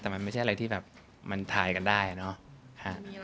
แต่มันไม่ใช่อะไรที่แบบมันทายกันได้เนอะ